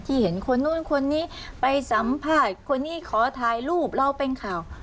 เห็นคนนู้นคนนี้ไปสัมภาษณ์คนนี้ขอถ่ายรูปเราเป็นข่าว